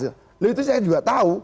loh itu saya juga tahu